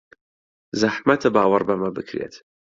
زەحمەتە باوەڕ بەمە بکرێت.